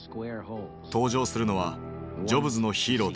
登場するのはジョブズのヒーローたち。